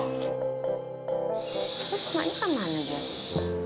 terus maknya kemana jan